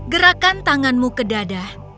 gerakan tanganmu ke dadah